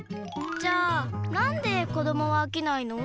じゃあなんで子どもはあきないの？